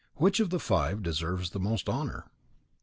Which of the five deserves the most honour?